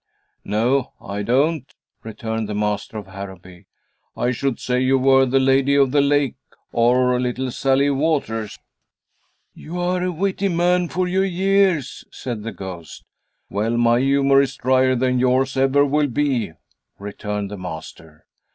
"No, I don't," returned the master of Harrowby. "I should say you were the Lady of the Lake, or Little Sallie Waters." "You are a witty man for your years," said the ghost. "Well, my humor is drier than yours ever will be," returned the master.